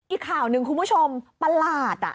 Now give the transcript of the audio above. อีกข่าวหนึ่งคุณผู้ชมประหลาด